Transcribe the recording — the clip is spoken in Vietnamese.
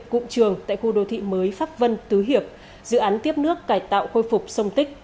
cụm trường tại khu đô thị mới pháp vân tứ hiệp dự án tiếp nước cải tạo khôi phục sông tích